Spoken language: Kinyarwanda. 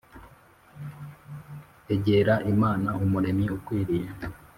Egera Imana Umuremyi ukwiriye